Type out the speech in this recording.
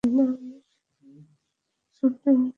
না, আমি sorcerer supreme নই।